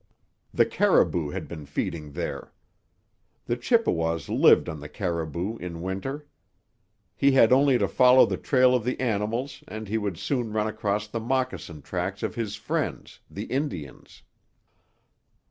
The caribou had been feeding there. The Chippewas lived on the caribou in Winter. He had only to follow the trail of the animals and he would soon run across the moccasin tracks of his friends, the Indians.